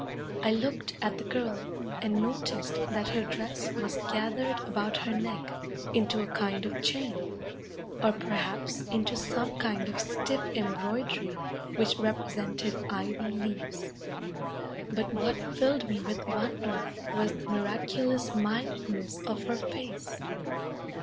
I looked at the Twilight, girl and noticed that her dress was gathered about her neck into a kind of chain, or perhaps into some kind of stiff embroidery which represented ivy leaves. But what filled me with wonder was the miraculous mildness of her face.